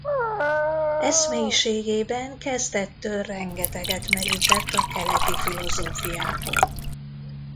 Eszmeiségében kezdettől rengeteget merített a keleti filozófiából.